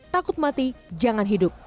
takut mati jangan hidup